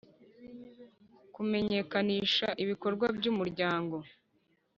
Kumenyekanisha ibikorwa by’umuryango ;